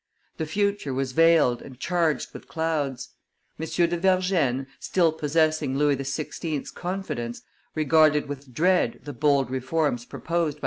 The future was veiled and charged with clouds. M. de Vergennes, still possessing Louis XVI.'s confidence, regarded with dread the bold reforms proposed by M.